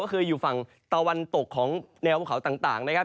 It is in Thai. ก็คืออยู่ฝั่งตะวันตกของแนวภูเขาต่างนะครับ